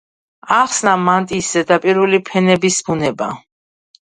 ახსნა მანტიის ზედაპირული ფენების ბუნება.